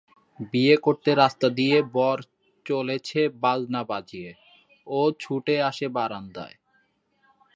বিয়ে করতে রাস্তা দিয়ে বর চলেছে বাজনা বাজিয়ে, ও ছুটে আসে বারান্দায়।